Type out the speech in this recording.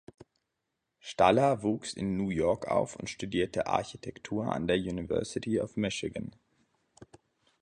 Staller wuchs in New York auf und studierte Architektur an der University of Michigan.